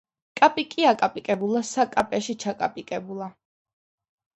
კაპიკი აკაპიკებულა საკაპეში ჩაკაპიკებულა